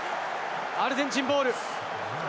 アルゼンチンボール。